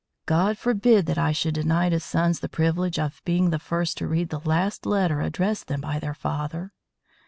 "God forbid that I should deny to sons the privilege of being the first to read the last letter addressed them by their father."